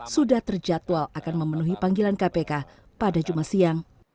sudah terjadwal akan memenuhi panggilan kpk pada jumat siang